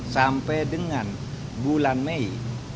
sampai dengan bulan mei